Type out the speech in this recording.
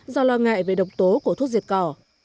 do lo ngại về độc tố của thuốc diệt cỏ